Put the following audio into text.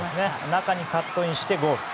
中にカットインしてゴール。